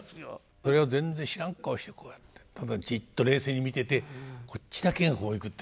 それを全然知らん顔してこうやってただじっと冷静に見ててこっちだけがこう行くってすごいですね。